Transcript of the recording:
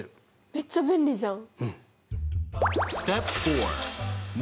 めっちゃ便利じゃん。